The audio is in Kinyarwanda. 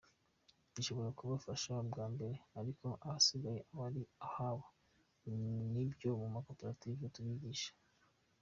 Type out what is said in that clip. Ishobora kubafasha bwa mbere, ariko ahasigaye aba ari ahabo, nibyo mu makoperative tubigisha.